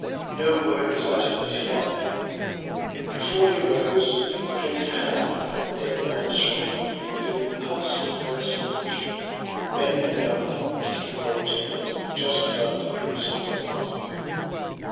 No word was uttered as he knelt there, and before he arose he placed a hand upon the dead man's shoulder with an impulsive caressing motion, and bending down, kissed the cold temple just above the crimson death mark.